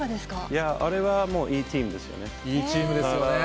いや、あれはもう、いいチーいいチームですよね。